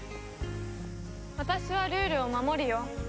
私はルールを守るよ。